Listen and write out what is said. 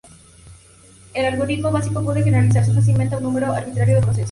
El algoritmo básico puede generalizarse fácilmente a un número arbitrario de procesos.